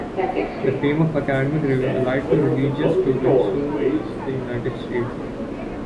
The fame of academic rigor allied to religious tolerance soon reached the United States.